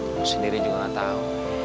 aku sendiri juga gak tau